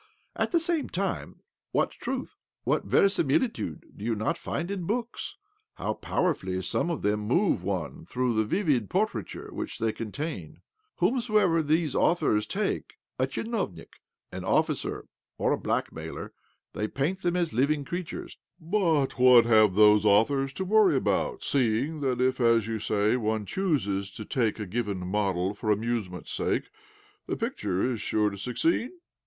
At the same time, what truth, what verisimilitude, do you not find in books ! How powerfully some of them move one through the vivid portraiture which they contain ! Whomsoever these authors take— a tchinovnik,^ an officer, or a black mailer—they paint them as living creatures." ' Government official. ujBLUiViuv 39 " But what have those authors to worry about, seeing that if, as you say, one chooses to take a given model for amusement's sake, the picture is sure to succeed